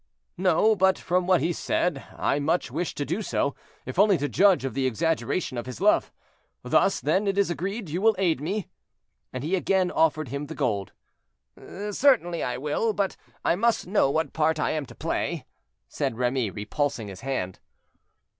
"No; but from what he said I much wish to do so, if only to judge of the exaggeration of his love. Thus, then, it is agreed; you will aid me?" and he again offered him the gold. "Certainly I will, but I must know what part I am to play," said Remy, repulsing his hand.